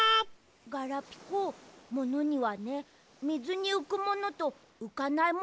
ガラピコものにはねみずにうくものとうかないものがあるんだよ。